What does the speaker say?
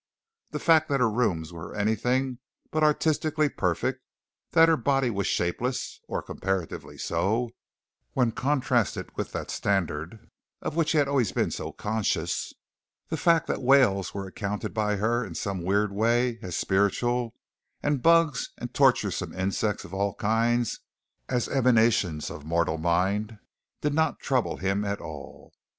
The fact that her rooms were anything but artistically perfect; that her body was shapeless, or comparatively so, when contrasted with that standard of which he had always been so conscious; the fact that whales were accounted by her in some weird way as spiritual, and bugs and torturesome insects of all kinds as emanations of mortal mind, did not trouble him at all.